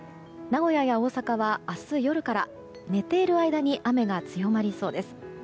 名古屋や大阪は、明日夜から寝ている間に雨が強まりそうです。